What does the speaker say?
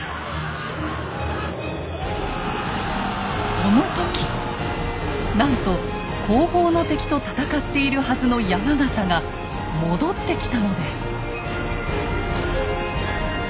その時なんと後方の敵と戦っているはずの山県が戻ってきたのです。